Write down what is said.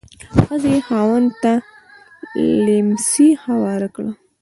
ښځې یې خاوند ته لیهمڅی هوار کړ.